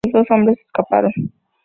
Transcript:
Los dos hombres escaparon.